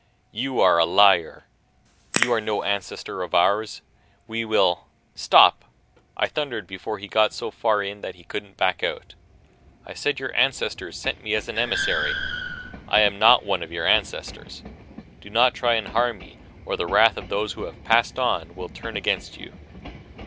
"You are a liar! You are no ancestor of ours! We will " "Stop!" I thundered before he got so far in that he couldn't back out. "I said your ancestors sent me as emissary I am not one of your ancestors. Do not try to harm me or the wrath of those who have Passed On will turn against you."